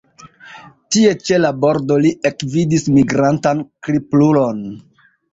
Tie ĉe la bordo li ekvidis migrantan kriplulon.